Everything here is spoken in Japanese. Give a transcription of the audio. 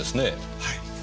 はい。